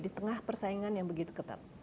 di tengah persaingan yang begitu ketat